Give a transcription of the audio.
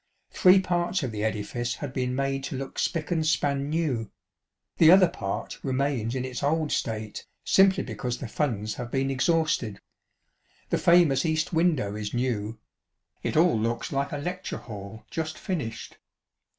Three parts of the edifice had been made to look spick and span new ŌĆö the other part remains in its old state, simply because the funds have been ex hausted. The famous east window is new ; it all looks like a lecture hall just finished.